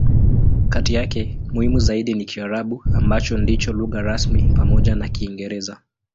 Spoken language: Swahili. Kati yake, muhimu zaidi ni Kiarabu, ambacho ndicho lugha rasmi pamoja na Kiingereza.